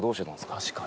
確かに。